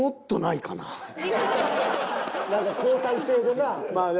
何か交代制でな。